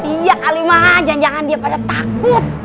iya kalimah jangan jangan dia pada takut